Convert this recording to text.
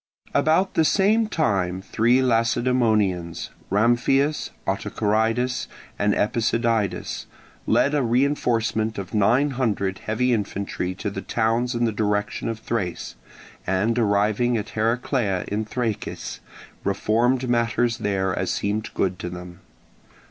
About the same time three Lacedaemonians—Ramphias, Autocharidas, and Epicydidas—led a reinforcement of nine hundred heavy infantry to the towns in the direction of Thrace, and arriving at Heraclea in Trachis reformed matters there as seemed good to them.